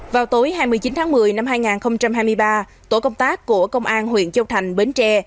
vào tối hai mươi chín tháng một mươi năm hai nghìn hai mươi ba tổ công tác của công an huyện châu thành bến tre